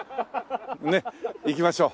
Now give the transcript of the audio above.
ねっ行きましょう。